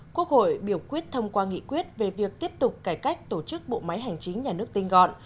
quốc hội biểu quyết thông qua nghị quyết về việc tiếp tục cải cách tổ chức bộ máy hành chính nhà nước tinh gọn